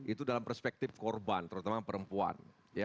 itu dalam perspektif korban terutama perempuan